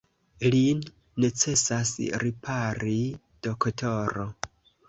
Lin necesas ripari, doktoro.